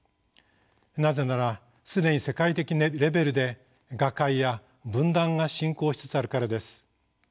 なぜなら既に世界的レベルで瓦解や分断が進行しつつあるからです。